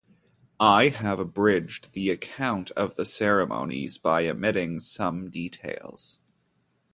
I have abridged the account of the ceremonies by omitting some details.